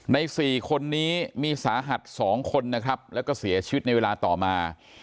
ใน๔คนนี้มีสาหัส๒คนนะครับแล้วก็เสียชีวิตในเวลาต่อมา